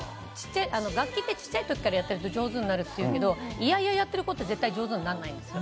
楽器ってちっちゃい時からやってると上手になるって言うけど嫌々やってる子って絶対上手にならないんですよ。